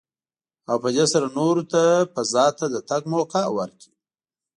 او په دې سره نورو ته فضا ته د تګ موکه ورکړي.